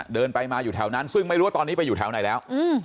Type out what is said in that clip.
เดินไปมาอยู่แถวนั้นซึ่งไม่รู้ว่าตอนนี้ไปอยู่แถวไหนแล้ว